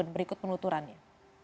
pertama ini sebagai penuturannya